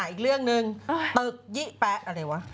อีกเรื่องหนึ่งตึกยี่แป๊ะอะไรวะ